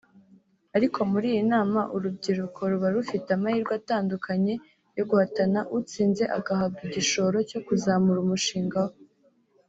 Ariko muri iyi nama urubyiruko ruba rufite amahirwe atandukanye yo guhatana utsinze agahabwa igishoro cyo kuzamura umushinga we